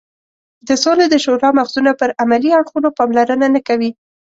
د سولې د شورا مغزونه پر عملي اړخونو پاملرنه نه کوي.